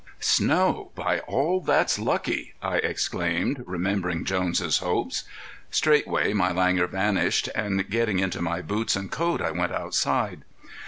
"Snow; by all that's lucky!" I exclaimed, remembering Jones' hopes. Straightway my langour vanished and getting into my boots and coat I went outside.